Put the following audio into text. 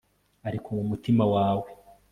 ariko mu mutima wawe